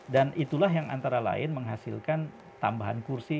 dan itulah yang antara lain menghasilkan tambahan kursi